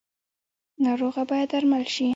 ناروغه باید درمل شي